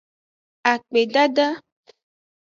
Akpedada.